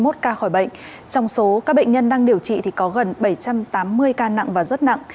trong số các bệnh nhân đang điều trị thì có gần bảy trăm tám mươi ca nặng và rất nặng